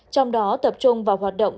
trong đó tập trung vào hoạt động